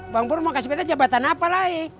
bang pur mau kasih peta jabatan apa lagi